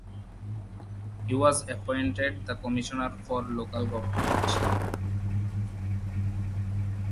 He was appointed the Commissioner for Local Government.